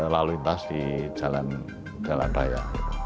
lalu lintas di jalan raya